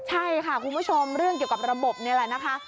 ใช่ค่ะคุณผู้ชมเรื่องเกี่ยวกับระบบนี่แหละนะคะ